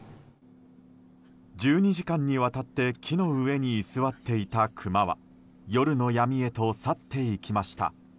１２時間にわたって木の上に居座っていたクマは夜の闇へと去っていきました。